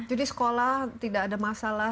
jadi sekolah tidak ada masalah